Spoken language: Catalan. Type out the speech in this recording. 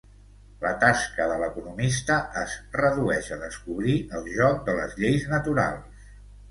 La tasca de l'economista es redueix a descobrir el joc de les lleis naturals.